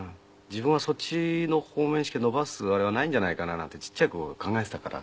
自分はそっちの方面しか伸ばすあれはないんじゃないかななんてちっちゃい頃考えていたから。